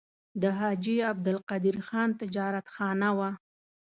د حاجي عبدالقدیر خان تجارتخانه وه.